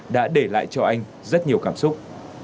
đã để lại cho anh rất nhiều cảm xúc